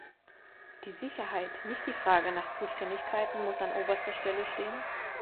Die Sicherheit, nicht die Frage nach Zuständigkeiten muss an oberster Stelle stehen.